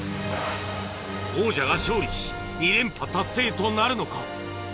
王者が勝利し２連覇達成となるのか？